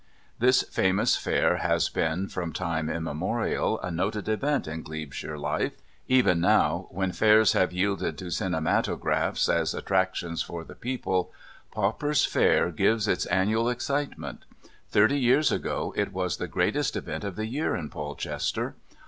This famous fair has been, from time immemorial, a noted event in Glebeshire life. Even now, when fairs have yielded to cinematographs as attractions for the people, Pauper's Fair gives its annual excitement. Thirty years ago it was the greatest event of the year in Polchester.